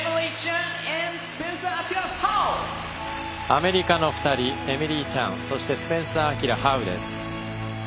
アメリカの２人エミリー・チャンそしてスペンサーアキラ・ハウ。